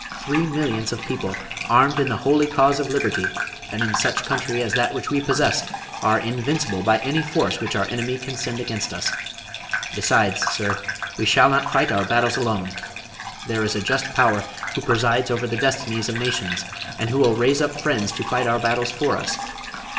Three millions of people, armed in the holy cause of Liberty, and in such a country as that which we possess, are invincible by any force which our enemy can send against us. Besides, sir, we shall not fight our battles alone. There is a just Power who presides over the destinies of nations, and who will raise up friends to fight our battles for us.